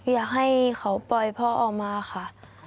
อยากให้เขาปล่อยพ่อออกมาค่ะ